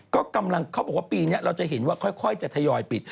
ก็กำลังเขาบอกว่าปีนี้เราจะเห็นว่าค่อยจะทยอยปิด